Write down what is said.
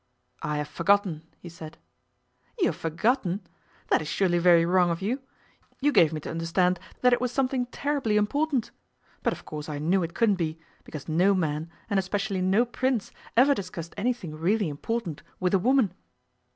'I have forgotten,' he said. 'You have forgotten! That is surely very wrong of you? You gave me to understand that it was something terribly important. But of course I knew it couldn't be, because no man, and especially no Prince, ever discussed anything really important with a woman.